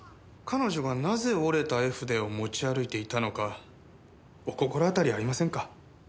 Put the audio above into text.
彼女がなぜ折れた絵筆を持ち歩いていたのかお心当たりありませんか？